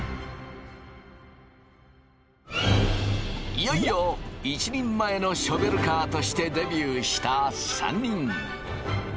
いよいよ一人前のショベルカーとしてデビューした３人。